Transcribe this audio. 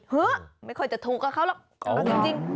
เห้อไม่ค่อยจะถูกกับเขาหรอกจริง